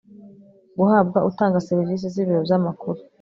guhabwa utanga serivisi z ibiro by amakuru